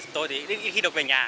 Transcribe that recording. tôi thì ít khi được về nhà